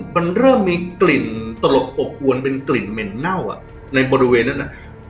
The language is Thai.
มันเริ่มมีกลิ่นตลบอบอวนเป็นกลิ่นเหม็นเน่าอ่ะในบริเวณนั้นน่ะ